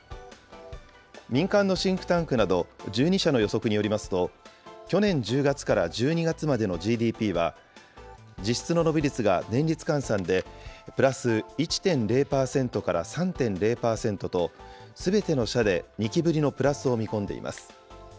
民間のシンクタンクなど１２社の予測によりますと、去年１０月から１２月までのＧＤＰは、実質の伸び率が年率換算でプラス１．０％から３．０％と、すべての社で２期ぶりのプラスを見込んでいます。